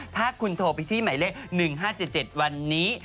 ถ้าคุณโทรไปที่หมายเลข๑๕๗๗วันนี้